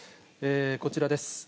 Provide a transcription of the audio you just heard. こちらです。